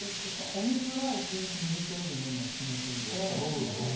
お水は１日２リットル以上飲むのは決めていて。